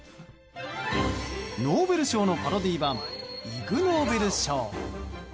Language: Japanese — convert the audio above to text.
ノーベル賞のパロディー版イグ・ノーベル賞。